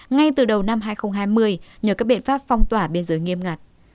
ngay từ đầu năm hai nghìn hai mươi nhờ các biện pháp phong tỏa biên giới nghiêm ngặt